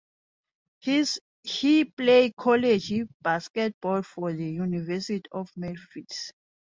He played college basketball for the University of Memphis.